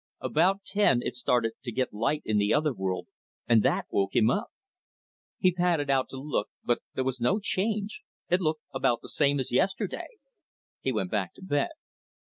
About ten it started to get light in the other world, and that woke him up. He padded out to look, but there was no change, it looked about the same as yesterday. He went back to bed.